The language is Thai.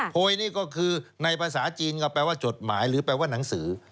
โพยนี่ก็คือในภาษาจีนก็แปลว่าจดหมายหรือแปลว่าหนังสือ